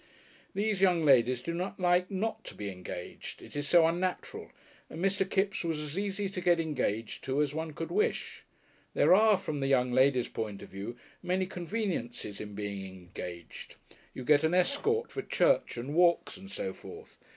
These young ladies do not like not to be engaged it is so unnatural; and Mr. Kipps was as easy to get engaged to as one could wish. There are, from the young lady's point of view, many conveniences in being engaged. You get an escort for church and walks and so forth.